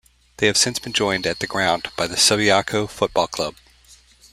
They have since been joined at the ground by the Subiaco Football Club.